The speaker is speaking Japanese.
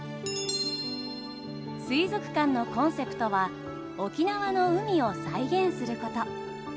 水族館のコンセプトは沖縄の海を再現すること。